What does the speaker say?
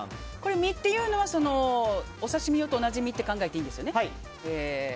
身というのはお刺し身と同じ身と考えていいですよね。